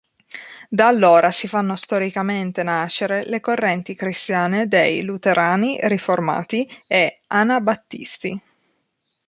Da allora si fanno storicamente nascere le correnti cristiane dei Luterani, Riformati e Anabattisti.